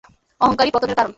অহংকারই পতনের কারণ।